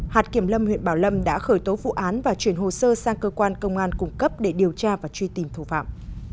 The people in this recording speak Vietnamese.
hạt kiểm lâm huyện bảo lâm đã khởi tố vụ án và chuyển hồ sơ sang cơ quan công an cung cấp để điều tra và truy tìm thủ phạm